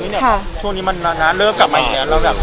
นี่เนี่ยช่วงนี้มันนานเริ่มกลับมาแล้วแบบ